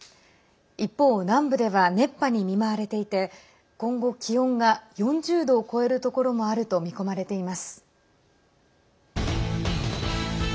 一方、南部では熱波に見舞われていて今後、気温が４０度を超えるところもあると見込まれています。